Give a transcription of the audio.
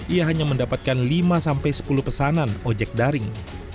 ia hanya mendapatkan lima sampai sepuluh pesanan ojek daring